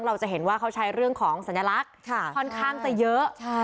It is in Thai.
เราจะเห็นว่าเขาใช้เรื่องของสัญลักษณ์ค่อนข้างจะเยอะ